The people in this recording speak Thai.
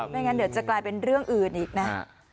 ไม่งั้นเดี๋ยวจะกลายเป็นเรื่องอื่นอีกนะ